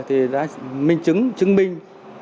thì đã minh chứng chứng minh